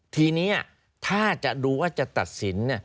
ทีนี้ถ้าจะดูว่าจะตัดสิน